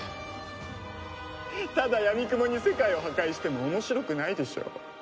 ただやみくもに世界を破壊しても面白くないでしょう？